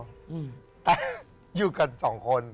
แต่อยู่กับสองคน